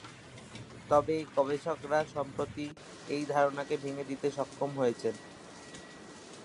তবে গবেষকরা সম্প্রতি এই ধারণাকে ভেঙে দিতে সক্ষম হয়েছেন।